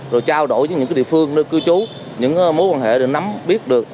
rồi trao đổi với những địa phương cư chú những mối quan hệ để nắm biết được